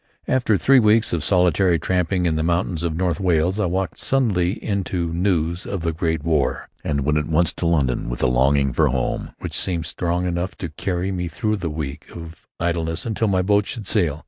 After three weeks of solitary tramping in the mountains of North Wales, I walked suddenly into news of the great war, and went at once to London, with a longing for home which seemed strong enough to carry me through the week of idleness until my boat should sail.